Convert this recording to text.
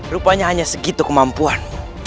rupanya hanya segitu kemampuan